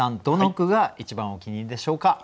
どの句が一番お気に入りでしょうか？